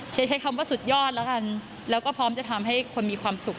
ใช้ใช้คำว่าสุดยอดแล้วกันแล้วก็พร้อมจะทำให้คนมีความสุข